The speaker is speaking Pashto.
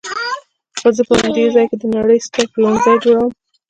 خو زه به په همدې ځای کې د نړۍ ستر پلورنځی جوړوم.